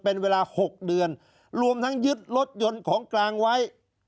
เป็นเวลา๖เดือนรวมทั้งยึดรถยนต์ของกลางไว้